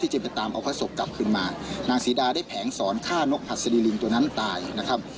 จึงไปตามเอาพระศพกลับขึ้นมานางศรีดาได้แผงสอนฆ่านกหัสดีลิงตัวนั้นตายนะครับ